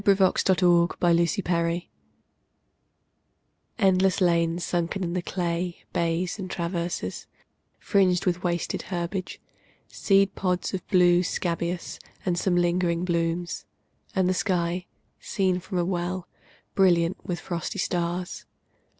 Frederic Manning THE TRENCHES ENDLESS lanes sunken in the clay, Bays, and traverses, fringed with wasted herbage, Seed pods of blue scabious, and some lingering blooms ; And the sky, seen as from a well, Brilliant with frosty stars.